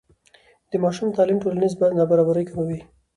د ماشوم تعلیم ټولنیز نابرابري کموي.